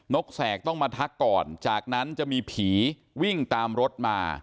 กแสกต้องมาทักก่อนจากนั้นจะมีผีวิ่งตามรถมา